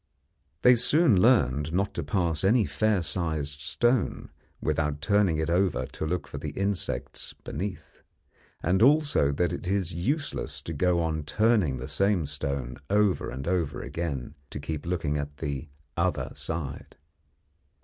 They soon learned not to pass any fair sized stone without turning it over to look for the insects beneath, and also that it is useless to go on turning the same stone over and over again to keep looking at the 'other side.'